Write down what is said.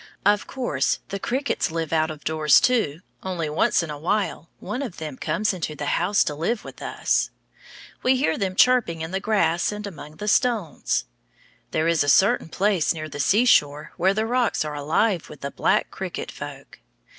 Of course the crickets live out of doors, too, only once in a while one of them comes into the house to live with us. We hear them chirping in the grass and among the stones. There is a certain place near the seashore where the rocks are alive with the black cricket folk.